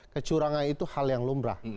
kecurangan itu hal yang lumrah